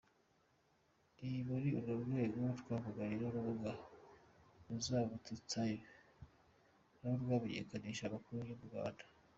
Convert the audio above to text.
Ni muri urwo rwego twavuganye n’urubuga Zahabutimes narwo rumenyekanisha amakuru yo mu Rwanda.